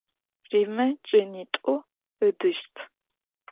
Rime cenit'u ıdışt.